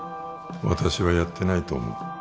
私はやってないと思う